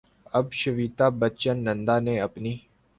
اب شویتا بچن نندا نے اپنی